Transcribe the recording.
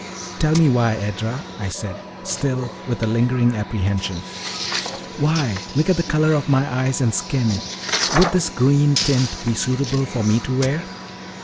"Tell me why, Edra?" I said, still with a lingering apprehension. "Why, look at the color of my eyes and skin would this green tint be suitable for me to wear?"